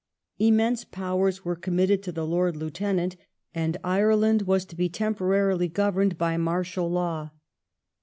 Immense powei's were committed to the Lord Lieutenant, and Ireland was to be tem porarily governed by martial law.